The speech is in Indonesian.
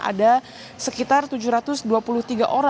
ada sekitar tujuh ratus dua puluh tiga orang yang ditangani oleh rsud depok